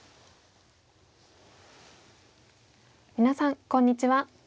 皆さんこんにちは。